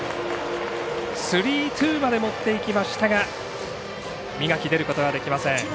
スリーツーまで持っていきましたが三垣、出ることができません。